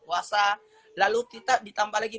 puasa lalu kita ditambah lagi